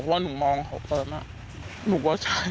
จำรถด้วย